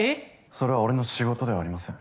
それは俺の仕事ではありません。